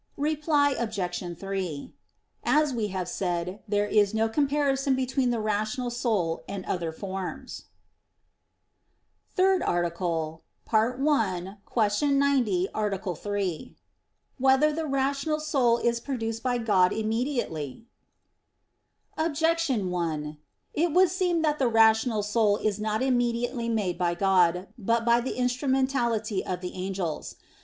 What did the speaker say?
Reply Obj. 3: As we have said, there is no comparison between the rational soul and other forms. _______________________ THIRD ARTICLE [I, Q. 90, Art. 3] Whether the Rational Soul Is Produced by God Immediately? Objection 1: It would seem that the rational soul is not immediately made by God, but by the instrumentality of the angels.